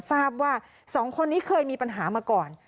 ทราบว่า๒คนนี้เคยมีปัญหามาก่อน